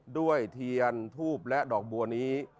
ด้วยเทียนทูปและดอกบัวนี้